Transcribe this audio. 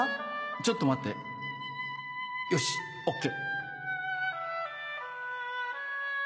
ちょっと待ってよし ＯＫ